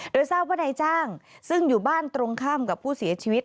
โดยทราบว่านายจ้างซึ่งอยู่บ้านตรงข้ามกับผู้เสียชีวิต